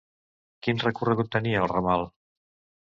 Quin recorregut tenia el ramal?